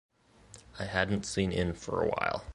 I hadn’t seen in for a while.